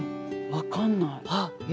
分かんない。